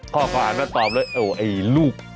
พ่อก็อาจมาตอบเลยโอ๊ยไอ้ลูก